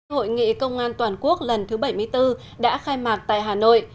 hội nghị công an toàn quốc lần thứ bảy mươi bốn đã khai mạc tại hà nội